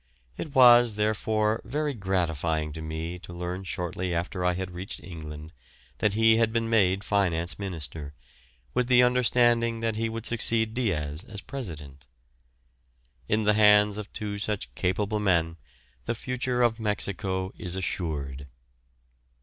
It was, therefore, very gratifying to me to learn shortly after I had reached England that he had been made finance minister, with the understanding that he would succeed Diaz as President. In the hands of two such capable men the future of Mexico is assured.